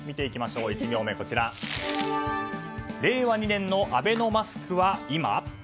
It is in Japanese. １行目、令和２年のアベノマスクは今？